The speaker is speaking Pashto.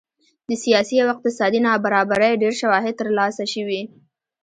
د سیاسي او اقتصادي نابرابرۍ ډېر شواهد ترلاسه شوي